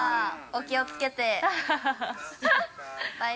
◆お気をつけて。